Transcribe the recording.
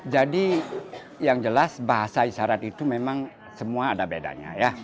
jadi yang jelas bahasa isyarat itu memang semua ada bedanya